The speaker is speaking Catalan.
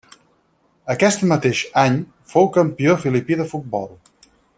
Aquest mateix any fou campió filipí de futbol.